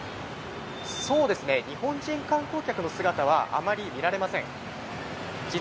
日本人観光客の姿はあまり見られません。